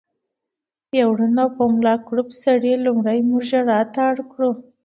يو ړوند او په ملا کړوپ سړي ړومبی مونږ ژړا ته اړ کړو